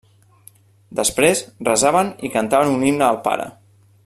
Després, resaven i cantaven un himne al Pare.